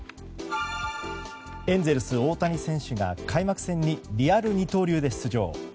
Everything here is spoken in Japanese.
エンゼルス、大谷選手が開幕戦にリアル二刀流で出場。